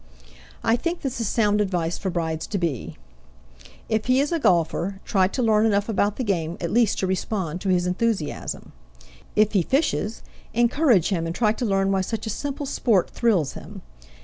I think this is sound advice for brides to be: If he is a golfer, try to learn enough about the game at least to respond to his enthusiasm. If he fishes, encourage him and try to learn why such a simple sport thrills him.